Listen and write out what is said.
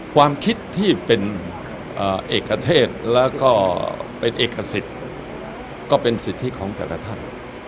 ความคิดที่เป็นเอกเทศแล้วก็เป็นเอกสิทธิ์ก็เป็นสิทธิของแต่ละท่าน